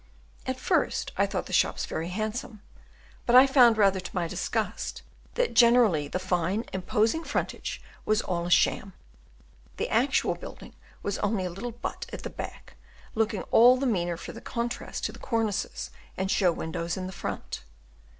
At first I thought the shops very handsome, but I found, rather to my disgust, that generally the fine, imposing frontage was all a sham; the actual building was only a little but at the back, looking all the meaner for the contrast to the cornices and show windows in front.